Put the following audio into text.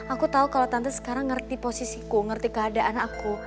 aku tahu kalau tante sekarang ngerti posisiku ngerti keadaan aku